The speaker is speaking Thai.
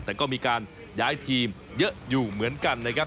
แต่ก็มีการย้ายทีมเยอะอยู่เหมือนกันนะครับ